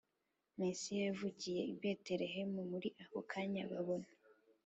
Mesiya yavukiye i Betelehemu Muri ako kanya babona